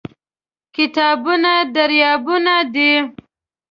کتابونه دریابونه دي.